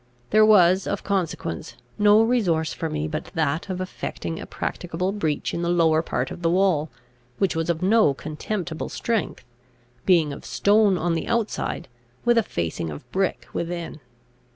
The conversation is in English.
There was, of consequence, no resource for me but that of effecting a practicable breach in the lower part of the wall, which was of no contemptible strength, being of stone on the outside, with a facing of brick within.